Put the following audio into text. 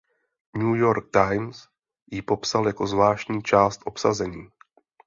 New York Times jí popsal jako "zvláštní část obsazení".